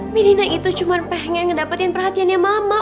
medina itu cuma pengen ngedapetin perhatiannya mama